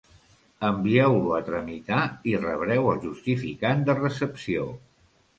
Envieu-lo a tramitar i rebreu el justificant de recepció.